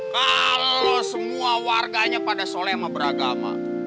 kalau semua warganya pada soleh sama beragama